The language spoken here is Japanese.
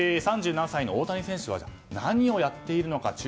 ３７歳の大谷選手は何をやっているのか。